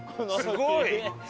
すごい！